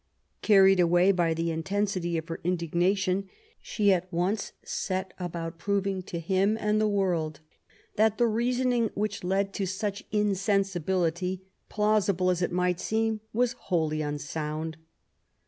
Ouried away by tbe intensity oi ber indignation, sbe at CHioe set about pnning to bim and tbe world tbat tbe reasoniog wbidi kd to sndi insensibility, plai^iyiKV as it mi^t seem, was wboUy nnsoond.